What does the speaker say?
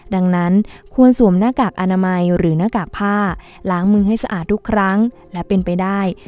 ดังนั้นควรสวมหน้ากากอนามัยหรือหน้ากากผ้าล้างมือให้สะอาดทุกครั้งและเป็นไปได้